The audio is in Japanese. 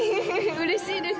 うれしいです。